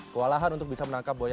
kewalahan untuk bisa menangkap buaya